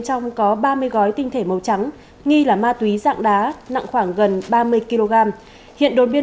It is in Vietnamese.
trong có ba mươi gói tinh thể màu trắng nghi là ma túy dạng đá nặng khoảng gần ba mươi kg hiện đồn biên